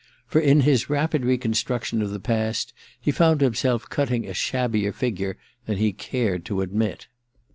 For in his rapid reconstruction of the past he found himself cutting a shabbier ^gure than he cared to admit.